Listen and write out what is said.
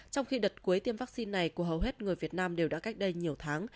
trong khi đợt cuối tiêm vaccine này của hầu hết người việt nam đều đã cách đây nhiều tháng